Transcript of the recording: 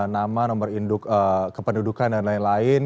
nama nomor induk kependudukan dan lain lain